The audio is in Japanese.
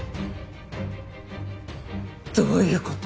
どういうこと？